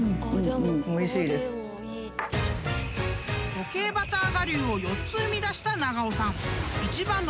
［固形バター我流を４つ生み出した長尾さん］